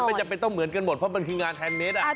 ไม่จำเป็นต้องเหมือนกันหมดเพราะมันคืองานแฮนเนส